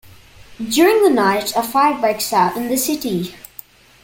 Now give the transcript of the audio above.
During the night, a fire breaks out in the city.